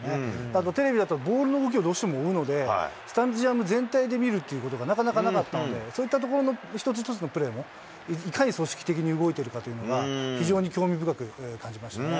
あとテレビだとボールの動きをどうしても追うので、スタジアム全体で見るということがなかなかなかったので、そういったところの一つ一つのプレーもいかに組織的に動いているかというのが、非常に興味深く感じましたね。